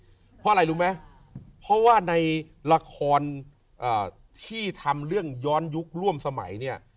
เพราะอะไรรู้ไหมเพราะว่าในละครที่ทำเรื่องย้อนยุคร่วมสมัยเนี่ย